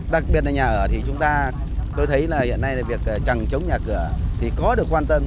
đặc biệt là nhà ở thì chúng ta tôi thấy là hiện nay việc chẳng chống nhà cửa thì có được quan tâm